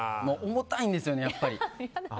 重たいんですよね、やっぱり。